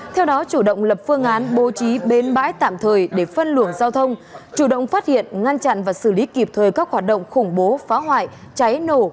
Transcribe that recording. theo đó chủ động lập phương án bố trí bến bãi tạm thời để phân luồng giao thông chủ động phát hiện ngăn chặn và xử lý kịp thời các hoạt động khủng bố phá hoại cháy nổ